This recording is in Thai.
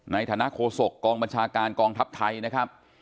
ในฐานะโคศกกองบัญชาการกองทัพไทยนะครับ